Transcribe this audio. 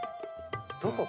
どこ？